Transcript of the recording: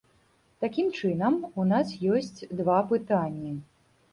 Такім чынам, у нас ёсць два пытанні.